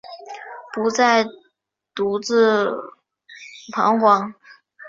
不再独自徬惶